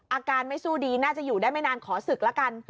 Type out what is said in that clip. อาการไม่สู้ดีน่าจะอยู่ได้ไม่นานขอศึกละกัน